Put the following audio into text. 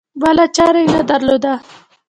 بله چاره یې نه درلوده.